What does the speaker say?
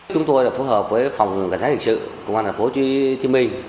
chúng tôi là phù hợp với phòng cảnh sát hình sự công an thành phố hồ chí minh